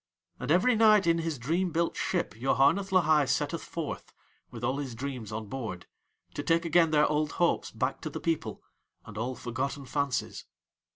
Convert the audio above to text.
And every night in his dream built ship Yoharneth Lahai setteth forth, with all his dreams on board, to take again their old hopes back to the people and all forgotten fancies.